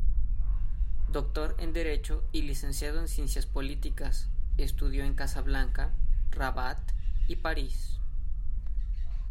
Doctor en Derecho y licenciado en Ciencias Políticas, estudió en Casablanca, Rabat y París.